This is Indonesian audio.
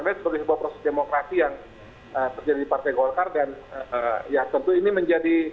dan saya juga ingin mencoba proses demokrasi yang terjadi di partai golkar dan ya tentu ini menjadi